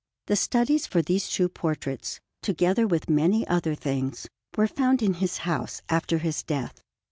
The studies for these two portraits, together with many other things, were found in his house after his death.